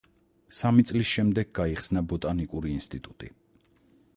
სამი წლის შემდეგ გაიხსნა ბოტანიკური ინსტიტუტი.